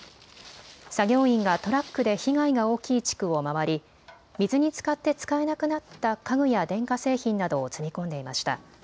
作業員がトラックで被害が大きい地区を回り水につかって使えなくなった家具や電化製品などを積み込んでいました。